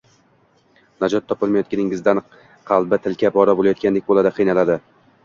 najot topmayotganingizdan qalbi tilka-pora bo‘layotgandek bo‘ladi, qiynaladi.